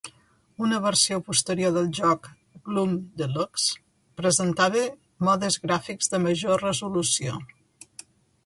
Una versió posterior del joc, "Gloom Deluxe", presentava modes gràfics de major resolució.